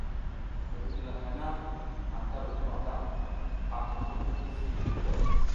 Midigila hana anta ru gu mata, a kurmud ti virzi.